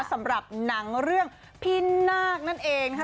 สำหรับหนังเรื่องพี่นาคนั่นเองนะคะ